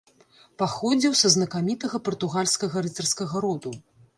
Паходзіў са знакамітага партугальскага рыцарскага роду.